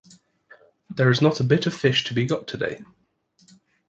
There is not a bit of fish to be got today.